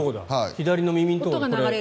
左の耳のところ。